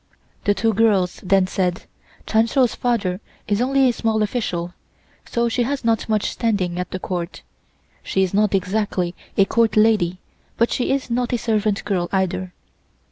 The two girls then said "Chun Shou's father is only a small official, so she has not much standing at the Court. She is not exactly a Court lady, but she is not a servant girl either."